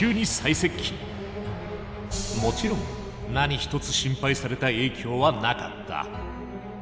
もちろん何一つ心配された影響はなかった。